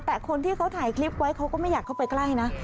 แต่คนที่เขาถ่ายคลิปไว้เขาก็ไม่อยากเข้าไปใกล้นะ